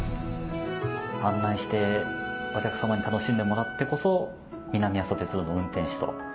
案内してお客さまに楽しんでもらってこそ南阿蘇鉄道の運転士と。